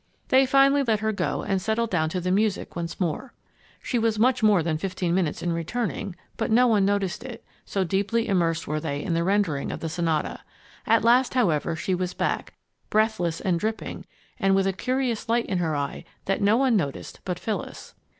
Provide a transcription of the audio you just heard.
They finally let her go and settled down to the music once more. She was much more than fifteen minutes in returning, but no one noticed it, so deeply immersed were they in the rendering of the sonata. At last, however, she was back, breathless and dripping and with a curious light in her eye that no one noticed but Phyllis.